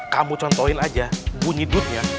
kamu contohin aja bunyi duitnya